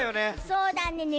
そうだねね